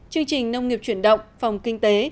chương trình nông nghiệp chuyển động phòng kinh tế